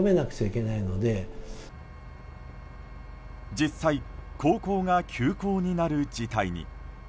実際高校が休校になる事態に。